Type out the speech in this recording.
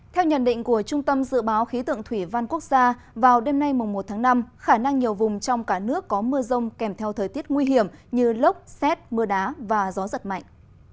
theo nhận định của trung tâm dự báo khí tượng thủy văn quốc gia vào đêm nay một tháng năm khả năng nhiều vùng trong cả nước có mưa rông kèm theo thời tiết nguy hiểm như lốc xét mưa đá và gió giật mạnh